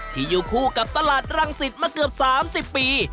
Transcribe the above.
อยู่คู่กับตลาดรังสิตมาเกือบ๓๐ปี